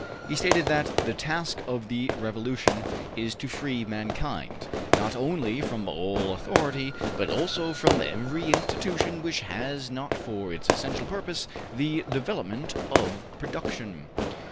He stated that ``the task of the revolution is to free mankind, not only from all authority, but also from every institution which has not for its essential purpose the development of production.''